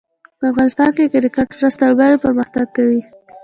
په افغانستان کښي کرکټ ورځ تر بلي پرمختګ کوي.